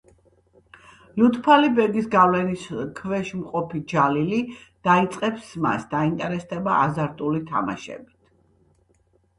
ლუტფალი ბეგის გავლენის ქვეშ მყოფი ჯალილი დაიწყებს სმას, დაინტერესდება აზარტული თამაშებით.